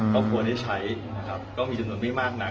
ครอบครัวได้ใช้นะครับก็มีจำนวนไม่มากนัก